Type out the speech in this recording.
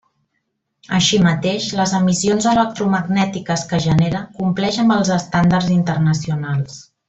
Així mateix les emissions electromagnètiques que genera compleix amb els estàndards internacionals.